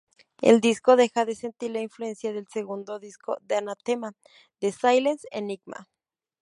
El disco deja sentir la influencia del segundo disco de Anathema, The Silent Enigma.